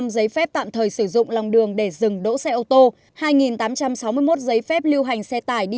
ba trăm năm mươi năm giấy phép tạm thời sử dụng lòng đường để dừng đỗ xe ô tô hai tám trăm sáu mươi một giấy phép lưu hành xe tải đi